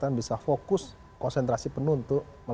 ini bisa bertanya tanya tentang hal hal berlebaran yang terkenal